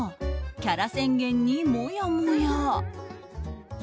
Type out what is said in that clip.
キャラ宣言にもやもや。